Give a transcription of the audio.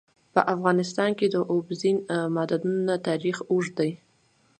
په افغانستان کې د اوبزین معدنونه تاریخ اوږد دی.